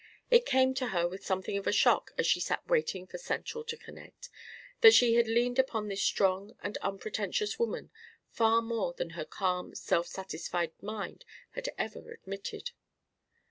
It came to her with something of a shock as she sat waiting for Central to connect, that she had leaned upon this strong and unpretentious woman far more than her calm self satisfied mind had ever admitted.